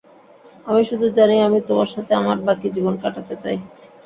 আমি শুধু জানি আমি তোমার সাথে আমার বাকি জীবন কাটাতে চাই।